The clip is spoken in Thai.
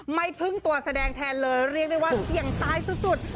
ไม่พึ่งตัวแสดงแทนเลยเรียกได้ว่าเสี่ยงตายสุด